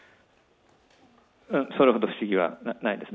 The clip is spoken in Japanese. それほど不思議はないです。